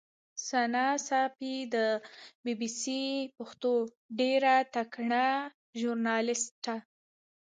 ثنا ساپۍ د بي بي سي پښتو ډېره تکړه ژورنالیسټه